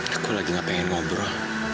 aku lagi gak pengen ngobrol